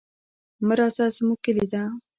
مه راځه زموږ کلي ته.